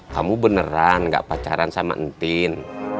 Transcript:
kamu beneran gak pacaran sama entin